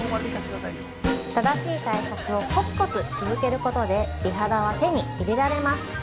◆正しい対策をこつこつ続けることで、美肌は手に入れられます。